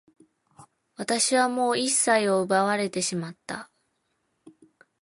私はもう一切を奪われてしまった。